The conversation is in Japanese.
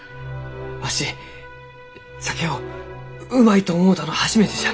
わし酒をうまいと思うたの初めてじゃ！